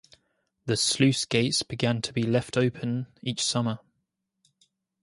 The sluicegates began to be left open each summer.